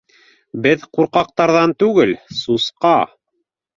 — Беҙ ҡурҡаҡтарҙан түгел, сусҡа